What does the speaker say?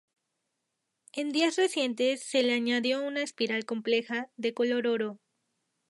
En días recientes se le añadió una espiral compleja, de color oro.